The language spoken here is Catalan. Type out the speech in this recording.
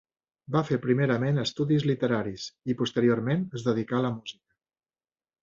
Va fer primerament estudis literaris, i posteriorment es dedicà a la música.